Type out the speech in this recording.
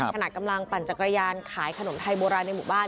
ขณะกำลังปั่นจักรยานขายขนมไทยโบราณในหมู่บ้าน